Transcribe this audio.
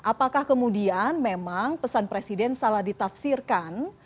apakah kemudian memang pesan presiden salah ditafsirkan